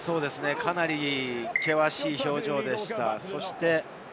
かなり険しい表情でした。